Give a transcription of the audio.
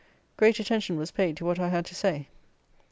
Great attention was paid to what I had to say.